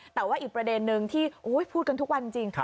แต่ว่าอีกประเด็นนึงที่พูดกันทุกวันจริง